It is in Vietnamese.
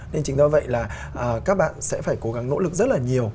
nên chính do vậy là các bạn sẽ phải cố gắng nỗ lực rất là nhiều